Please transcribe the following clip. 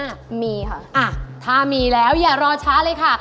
อ่ะถ้ามีแล้วอย่ารอช้าเลยค่ะ